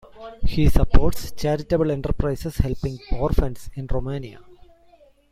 He supports charitable enterprises helping orphans in Romania.